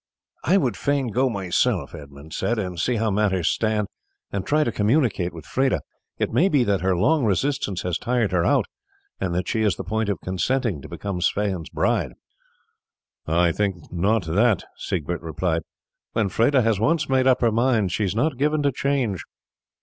"I would fain go myself," Edmund said, "and see how matters stand, and try to communicate with Freda. It may be that her long resistance has tired her out, and that she is at the point of consenting to become Sweyn's bride." "I think not that," Siegbert replied. "When Freda has once made up her mind she is not given to change."